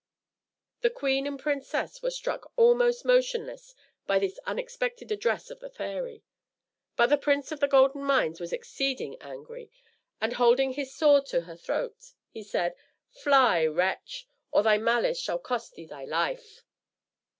The queen and princess were struck almost motionless by this unexpected address of the fairy; but the Prince of the Golden Mines was exceeding angry, and holding his sword to her throat, he said, "Fly, wretch! or thy malice shall cost thee thy life."